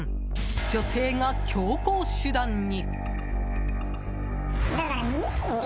女性が強硬手段に。